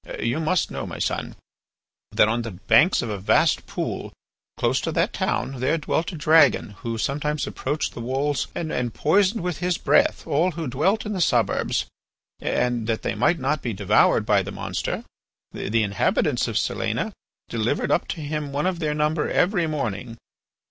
You must know, my son, that on the banks of a vast pool close to that town there dwelt a dragon who sometimes approached the walls and poisoned with his breath all who dwelt in the suburbs. And that they might not be devoured by the monster, the inhabitants of Silena delivered up to him one of their number every morning.